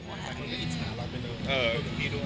มันไม่อิจฉาเราไปดู